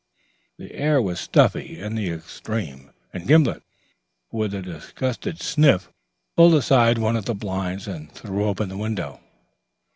The air was stuffy in the extreme, and Gimblet, with a disgusted sniff, pulled aside one of the blinds and threw open the window.